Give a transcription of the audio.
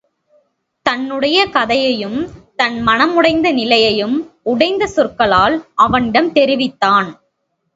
தன்னுடைய கதையையும் தன் மனமுடைந்த நிலையையும் உடைந்த சொற்களால் அவனிடம் தெரிவித்தான்.